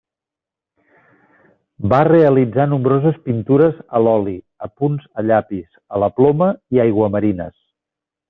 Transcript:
Va realitzar nombroses pintures, a l'oli, apunts a llapis, a la ploma, i aiguamarines.